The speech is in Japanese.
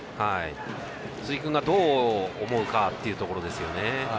鈴木君がどう思うかっていうところですよね。